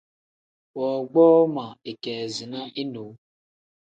Woogboo ma ikeezina inewu.